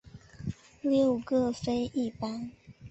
六各飞一班。